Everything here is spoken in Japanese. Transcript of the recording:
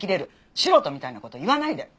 素人みたいな事言わないで！